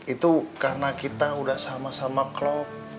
itu karena kita udah sama sama klop